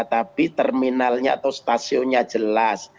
tapi terminalnya atau stasiunnya jelas